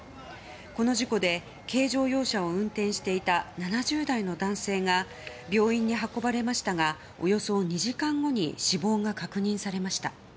この事故で、軽乗用車を運転していた７０代の男性が病院に運ばれましたがおよそ２時間後に死亡が確認されました。